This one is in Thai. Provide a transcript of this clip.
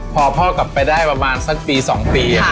พอพ่อกลับไปได้ประมาณสักปี๒ปี